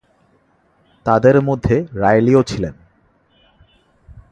তাদের মধ্যে রাইলিও ছিলেন।